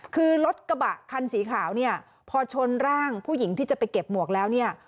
คือรถกระบะคันสีขาวเนี่ยพอชนร่างผู้หญิงที่จะไปเก็บหมวกแล้วเนี่ย